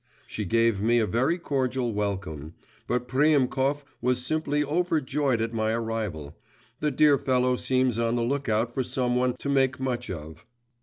She gave me a very cordial welcome; but Priemkov was simply overjoyed at my arrival; the dear fellow seems on the look out for some one to make much of.